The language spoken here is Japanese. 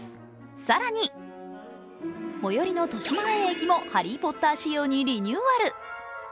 更に、最寄りの豊島園駅も「ハリー・ポッター」仕様にリニューアル。